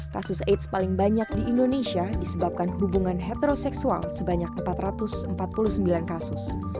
kasus aids paling banyak di indonesia disebabkan hubungan heteroseksual sebanyak empat ratus empat puluh sembilan kasus